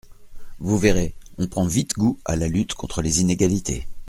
Vous verrez, on prend vite goût à la lutte contre les inégalités.